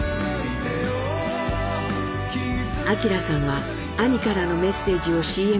明さんは兄からのメッセージをＣＭ中に確認。